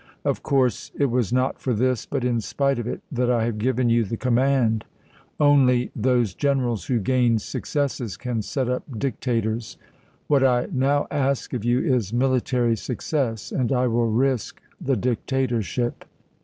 Of course, it was not for this, but in spite of it, that I have given you the command. Only those generals who gain successes can set up dictators. What I now ask of you is military suc cess, and I will risk the dictatorship.